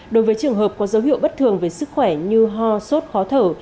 đối với trường hợp có dấu hiệu bất thường về sức khỏe như ho sốt khó thở